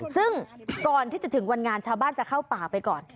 ซึ่งก่อนที่จะถึงวันงานชาวบ้านจะเข้าป่าไปก่อน